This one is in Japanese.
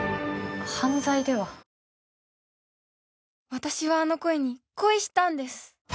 私はあの声に恋したんです